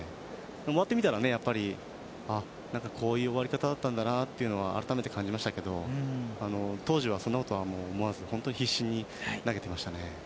終わって見たらやっぱりこういう終わり方だったんだなというのは改めて感じましたが当時はそんなことは思わず必死に投げていました。